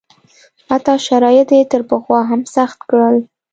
حتی شرایط یې تر پخوا هم سخت کړل.